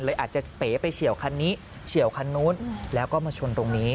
อาจจะเป๋ไปเฉียวคันนี้เฉียวคันนู้นแล้วก็มาชนตรงนี้